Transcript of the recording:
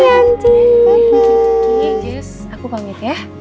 iya jess aku pamit ya